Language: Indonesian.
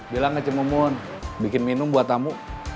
bilang ngecemeon bikin minum buat tamu